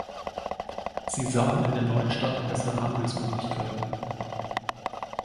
Sie sahen in der neuen Stadt bessere Handelsmöglichkeiten.